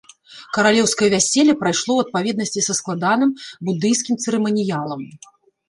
Каралеўскае вяселле прайшло ў адпаведнасці са складаным будыйскім цырыманіялам.